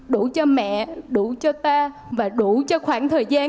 đủ cho mẹ đủ cho ta và đủ cho khoảng thời gian